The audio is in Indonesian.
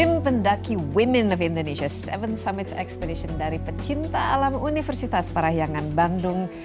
tim pendaki women of indonesia tujuh summits expedition dari pecinta alam universitas parahyangan bandung